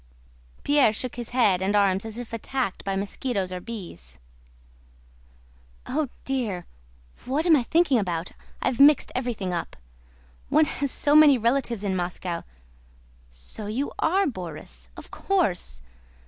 Pierre shook his head and arms as if attacked by mosquitoes or bees. "Oh dear, what am I thinking about? I've mixed everything up. One has so many relatives in Moscow! So you are Borís? Of course.